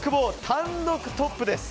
単独トップです。